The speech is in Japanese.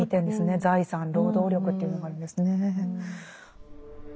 財産労働力っていうのがあるんですね。